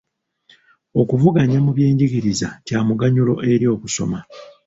Okuvuganya mu byenjigiriza kya muganyulo eri okusoma.